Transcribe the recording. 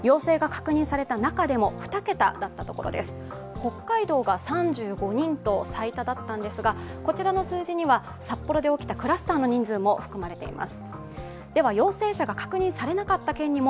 北海道ですが、こちらの数字には札幌で起きたクラスターの人数も含まれています。